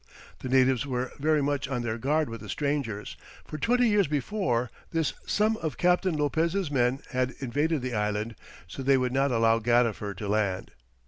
The natives were very much on their guard with the strangers, for twenty years before this some of Captain Lopez' men had invaded the island; so they would not allow Gadifer to land.